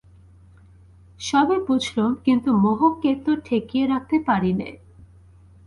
সবই বুঝলুম, কিন্তু মোহকে তো ঠেকিয়ে রাখতে পারি নে।